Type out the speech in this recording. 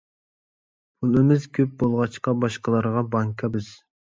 پۇلىمىز كۆپ بولغاچقا، باشقىلارغا بانكا بىز.